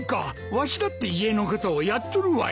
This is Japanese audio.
わしだって家のことをやっとるわい。